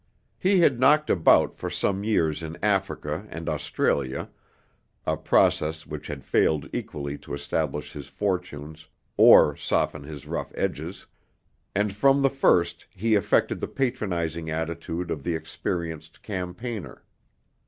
He had 'knocked about' for some years in Africa and Australia (a process which had failed equally to establish his fortunes or soften his rough edges), and from the first he affected the patronizing attitude of the experienced campaigner.